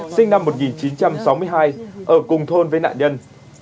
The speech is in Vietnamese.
sinh năm một nghìn chín trăm sáu mươi hai ở cùng thôn với nạn nhân